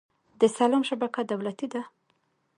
د سلام شبکه دولتي ده؟